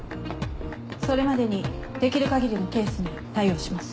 それまでにできる限りのケースに対応します。